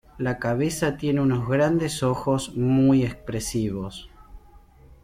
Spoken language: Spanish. La cabeza tiene unos grandes ojos muy expresivos.